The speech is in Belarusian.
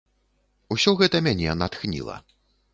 Усё гэта мяне натхніла.